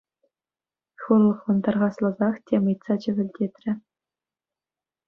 Хурлӑхлӑн тархасласах тем ыйтса чӗвӗлтетрӗ.